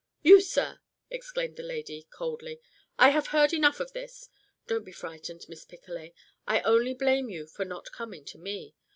"You, sir!" exclaimed the lady, coldly. "I have heard enough of this. Don't be frightened, Miss Picolet. I only blame you for not coming to me.